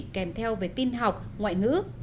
kèm theo về tin học ngoại ngữ